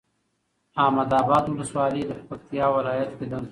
احمداباد ولسوالي پکتيا ولايت کي ده